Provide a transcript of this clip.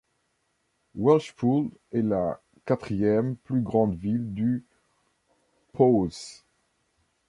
Welshpool est la quatrième plus grande ville du Powys.